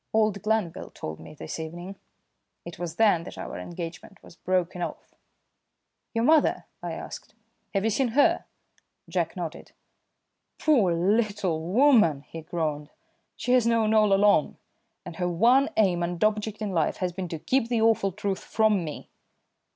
Old Glanville told me this evening. It was then that our engagement was broken off." "Your mother?" I asked. "Have you seen her?" Jack nodded. "Poor little woman!" he groaned. "She has known all along, and her one aim and object in life has been to keep the awful truth from me.